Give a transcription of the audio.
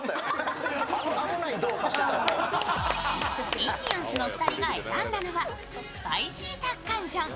インディアンスの２人が選んだのはスパイシータッカンジョン。